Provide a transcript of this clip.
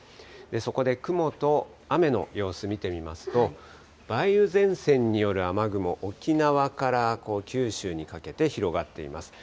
そこで雲と雨の様子見てみますと、梅雨前線による雨雲、沖縄から九州にかけて広がっています。